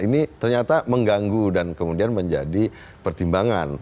ini ternyata mengganggu dan kemudian menjadi pertimbangan